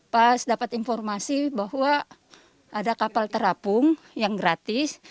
pas dapat informasi bahwa ada kapal terapung yang gratis